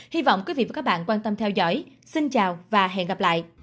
hy vọng quý vị và các bạn quan tâm theo dõi xin chào và hẹn gặp lại